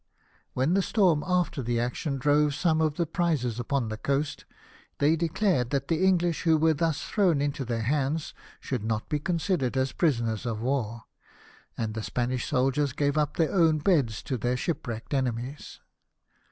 When the storm after the action drove some of the prizes upon the coast, they declared that the English who were thus thrown into their hands should not be considered as prisoners of war, and the Spanish soldiers gave up their own beds to their shipwrecked enemies.